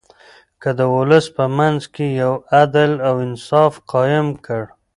هغه د ولس په منځ کې يو عدل او انصاف قايم کړ.